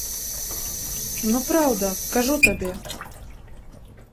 Ну, праўда, кажу табе.